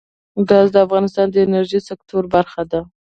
ګاز د افغانستان د انرژۍ سکتور برخه ده.